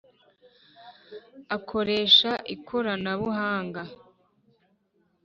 Akoresha ikoranabuhanga .